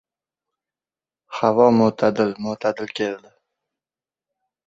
Havo mo‘’tadil-mo‘’tadil keldi.